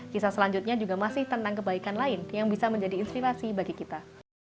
kisah selanjutnya juga masih tentang kebaikan lain yang bisa menjadi inspirasi bagi kita